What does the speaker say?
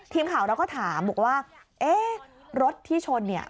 ทีมข่าวเราก็ถามว่ารถที่ชนเนี่ย